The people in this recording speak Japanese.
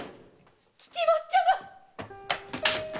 吉坊ちゃま！